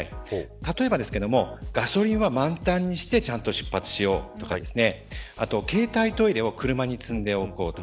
例えば、ガソリンは満タンにしてちゃんと出発しようとかあとは携帯トイレを車に積んでおこうとか。